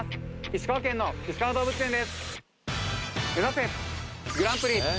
石川県のいしかわ動物園です